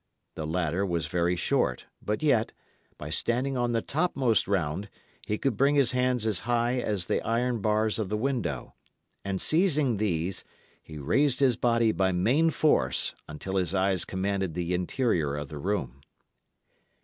The ladder was very short, but yet, by standing on the topmost round, he could bring his hands as high as the iron bars of the window; and seizing these, he raised his body by main force until his eyes commanded the interior of the room.